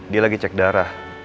dia lagi cek darah